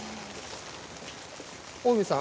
近江さん